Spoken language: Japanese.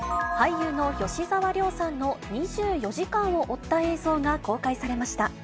俳優の吉沢亮さんの２４時間を追った映像が公開されました。